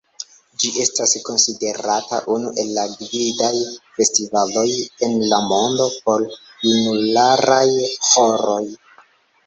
Ĝi estas konsiderata unu el la gvidaj festivaloj en la mondo por junularaj ĥoroj.